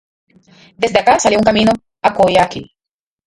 Desde acá salía un camino a Coyhaique.